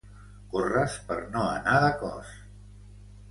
Corres per no anar de cos.